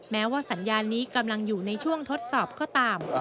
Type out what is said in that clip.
แม้ว่าสัญญาณนี้กำลังอยู่ในช่วงทดสอบก็ตาม